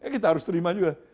kita harus terima juga